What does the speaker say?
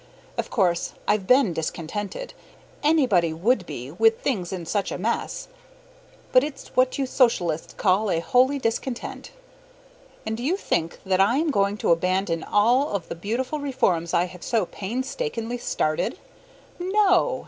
Of course I've been discontented, anybody would be with things in such a mess, but it's what you socialists call a holy discontent. And do you think that I am going to abandon all of the beautiful reforms I have so painstakingly started? No!